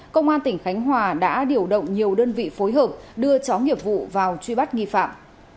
công an tỉnh khánh hòa đã điều động nhiều đơn vị phối hợp đưa chó nghiệp vụ vào truy bắt nghi phạm